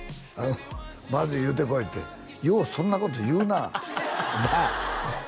まずい言うてこい」ってようそんなこと言うなあなあ？